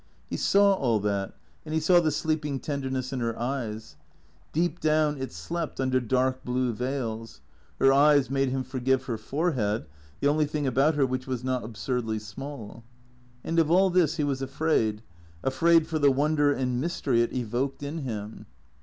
He saw all that, and he saw the sleeping tenderness in her eyes; deep down it slept, under dark blue veils. Her eyes made him forgive her forehead, the only thing about her which was not absurdly small. And of all this he was afraid, afraid for the wonder and mystery it evoked in him.